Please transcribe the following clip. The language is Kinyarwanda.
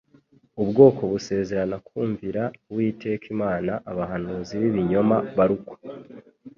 ubwoko busezerana kumvira Uwiteka Imana, abahanuzi b'ibinyoma barkwa.